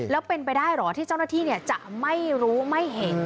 แล้วเป็นไปได้เหรอที่เจ้าหน้าที่จะไม่รู้ไม่เห็น